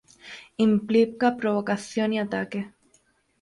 Implica provocación y ataque.